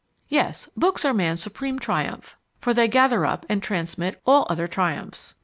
Yes, books are man's supreme triumph, for they gather up and transmit all other triumphs.